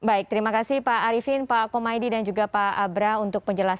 baik terima kasih pak arifin pak komaydi dan juga pak abra untuk penjelasan